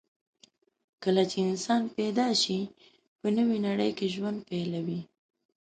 کله چې انسان پیدا شي، په نوې نړۍ کې ژوند پیلوي.